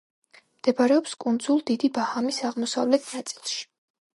მდებარეობს კუნძულ დიდი ბაჰამის აღმოსავლეთ ნაწილში.